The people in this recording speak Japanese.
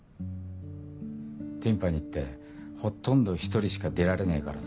ティンパニってほとんど１人しか出られねえからさ。